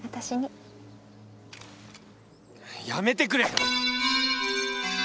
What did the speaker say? やめてくれ。